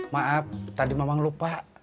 maaf tadi mamang lupa